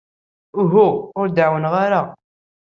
Uhu, ur d-ɛawneɣ ara.